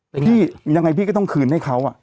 แต่พี่ยังไงพี่ก็ต้องคืนให้เขา